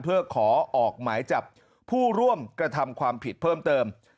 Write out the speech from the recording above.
เพื่อขอออกหมายจับผู้ร่วมกระทำความผิดเพิ่มเติม